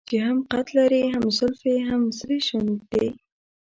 چې هم قد لري هم زلفې هم سرې شونډې.